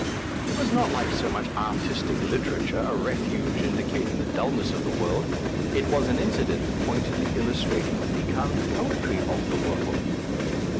It was not like so much artistic literature, a refuge indicating the dullness of the world : it was an incident pointedly illustrating the fecund poetry of the world.